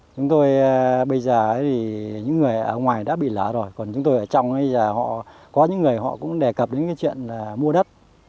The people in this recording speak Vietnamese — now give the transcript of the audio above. chúng tôi bây giờ thì những người ở ngoài đã bị lở rồi còn chúng tôi ở trong bây giờ họ có những người họ cũng đề cập đến cái chuyện là mua đất